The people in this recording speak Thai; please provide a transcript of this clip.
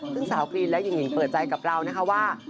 ซึ่งสาวกรีนและหญิงเปิดใจกับเรานะคะว่า